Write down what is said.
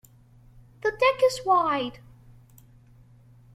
The deck is wide.